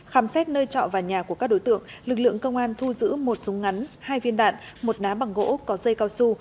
khám xét nơi trọ và nhà của các đối tượng lực lượng công an thu giữ một súng ngắn hai viên đạn một ná bằng gỗ có dây cao su